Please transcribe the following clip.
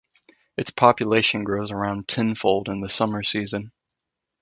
Its population grows around tenfold in the summer season.